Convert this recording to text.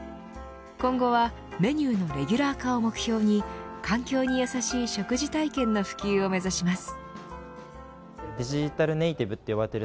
今後はメニューのレギュラー化を目標に環境にやさしい食事体験の普及を目指します。